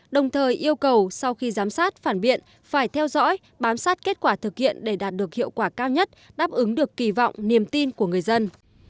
đồng thời yêu cầu sau khi giám sát phản biện phải theo dõi bám sát kết quả thực hiện để đạt được hiệu quả cao nhất đáp ứng được kỳ vọng niềm tin của người dân